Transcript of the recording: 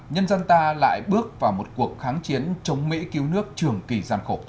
nhân dân ta lại bước vào một cuộc kháng chiến chống mỹ cứu nước trường kỳ gian khổ